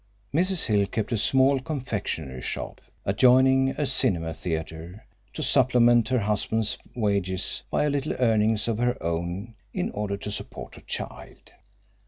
Mrs. Hill kept a small confectionery shop adjoining a cinema theatre to supplement her husband's wages by a little earnings of her own in order to support her child.